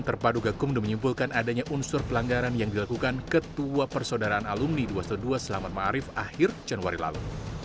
terpadu gakum menyimbulkan adanya unsur pelanggaran yang dilakukan ketua persaudaraan alumni dua ratus dua belas selamat ma'arif akhir januari lalu